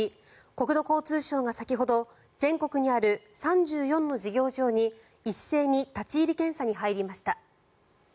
国土交通省が先ほど全国にある３４の事業場に一斉に立ち入り検査に入りました。